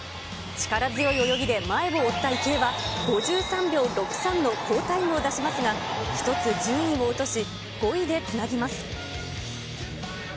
力強い泳ぎで前を追った池江は、５３秒６３の好タイムを出しますが、１つ順位を落とし、５位でつなぎます。